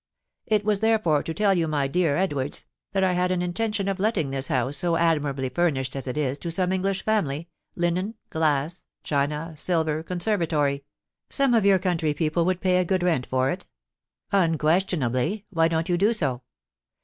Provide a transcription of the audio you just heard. It was, therefore, to tell you, my dear Edwards, that I had an intention of letting this house, so admirably furnished as it is, to some English family, linen, glass, china, silver, conservatory. Some of your country people would pay a good rent for it?" "Unquestionably. Why don't you do so?"